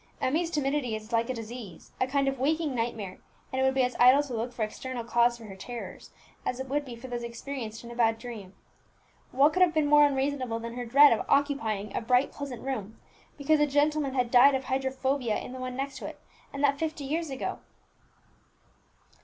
"Emmie's timidity is like a disease, a kind of waking nightmare, and it would be as idle to look for external cause for her terrors as it would be for those experienced in a bad dream. What could have been more unreasonable than her dread of occupying a bright pleasant room, because a gentleman had died of hydrophobia in the one next to it, and that fifty years ago!"